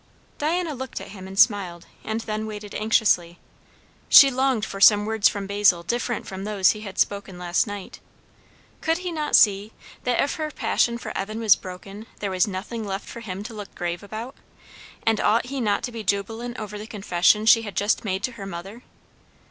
Diana looked at him and smiled, and then waited anxiously. She longed for some words from Basil different from those he had spoken last night. Could he not see, that if her passion for Evan was broken, there was nothing left for him to look grave about? And ought he not to be jubilant over the confession she had just made to her mother?